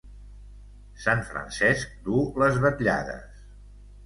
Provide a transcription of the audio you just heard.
Sant Francesc duu les vetllades.